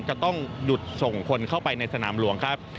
จะต้องหยุดส่งคนเข้าไปในสนามหลวงครับ